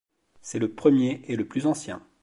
C'est le premier et le plus ancien.